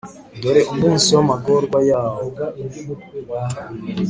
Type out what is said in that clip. dore umunsi w’amagorwa yawo